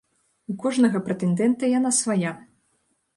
У кожнага прэтэндэнта яна свая.